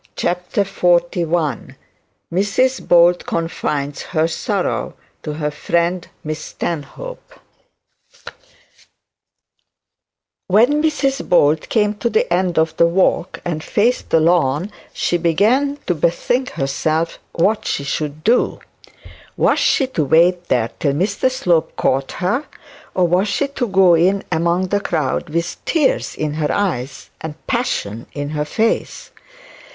CHAPTER XLI MRS BOLD CONFIDES HER SORROW TO HER FRIEND MISS STANHOPE When Mrs Bold came to the end of the walk and faced the lawn, she began to bethink herself what she should do. Was she to wait there till Mr Slope caught her, or was she to go in among the crowd with tears in her eyes and passion in her face?